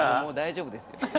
もう大丈夫ですよ。